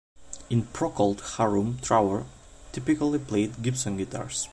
In Procol Harum Trower typically played Gibson guitars.